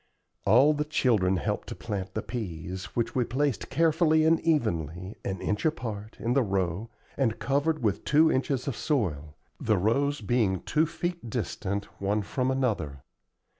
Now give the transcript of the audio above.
All the children helped to plant the peas, which we placed carefully and evenly, an inch apart, in the row, and covered with two inches of soil, the rows being two feet distant one from another.